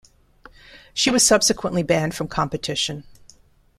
She was subsequently banned from competition.